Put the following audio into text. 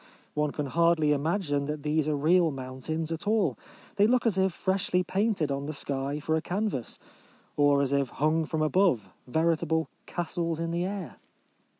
One can hardly imagine that these are real mountains at all. They look as if freshly painted on the sky for a canvas, or as if hung from above, veritable " castles in the air."